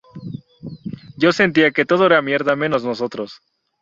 Yo sentía que todo era mierda menos nosotros".